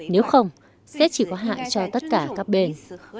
nếu không sẽ chỉ có hại cho tất cả các bên